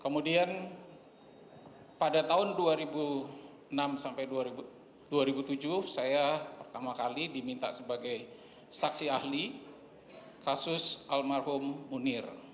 kemudian pada tahun dua ribu enam sampai dua ribu tujuh saya pertama kali diminta sebagai saksi ahli kasus almarhum munir